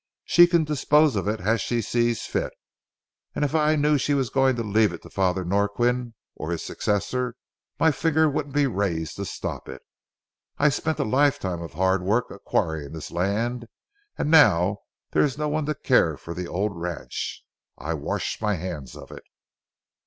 She can dispose of it as she sees fit, and if I knew she was going to leave it to Father Norquin or his successor, my finger wouldn't be raised to stop it. I spent a lifetime of hard work acquiring this land, and now that there is no one to care for the old ranch, I wash my hands of it."